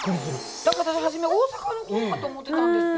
だから私初め大阪の子かと思ってたんですよ。